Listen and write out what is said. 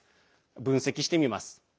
分析してみます。